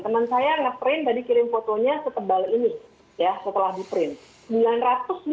teman saya nge print tadi kirim fotonya setebal ini ya setelah di print